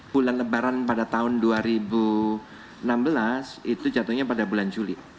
bulan lebaran pada tahun dua ribu enam belas itu jatuhnya pada bulan juli